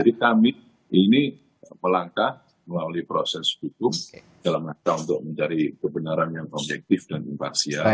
jadi ini pelangkah melalui proses hukum dalam masalah untuk mencari kebenaran yang objektif dan impaksial